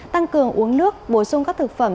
tăng cường uống nước bổ sung các thực phẩm